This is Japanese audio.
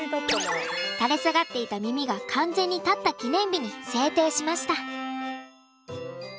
垂れ下がっていた耳が完全に立った記念日に制定しました。